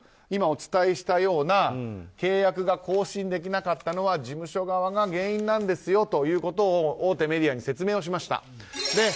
今お伝えしたような契約が更新できなかったのは事務所側が原因ですよと大手メディアに説明しました。